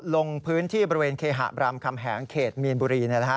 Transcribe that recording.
ลงพื้นที่บริเวณเคหะบรามคำแหงเขตมีนบุรี